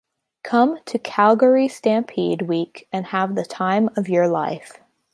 Come to Calgary Stampede Week and have the time of your life.